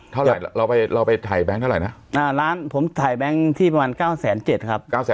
เท่าไหร่เราไปเราไปถ่ายแบงค์เท่าไหร่นะหน้าร้านผมถ่ายแบงค์ที่ประมาณเก้าแสนเจ็ดครับ